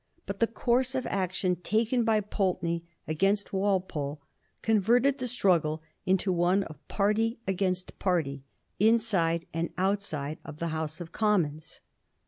But the course of action taken by Pulteney against Walpole converted the struggle into one of party against party, inside and outside of the House of Commons.